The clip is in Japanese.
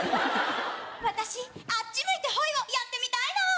私あっちむいてホイをやってみたいの！